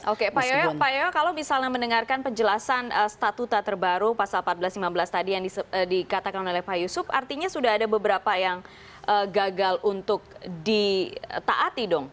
oke pak yoyo kalau misalnya mendengarkan penjelasan statuta terbaru pasal empat belas lima belas tadi yang dikatakan oleh pak yusuf artinya sudah ada beberapa yang gagal untuk ditaati dong